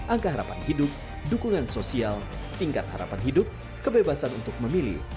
angka harapan hidup dukungan sosial tingkat harapan hidup kebebasan untuk memilih